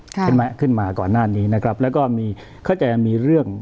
ขึ้นมาก่อนหน้านี้นะครับแล้วก็มีเข้าใจมีเรื่อง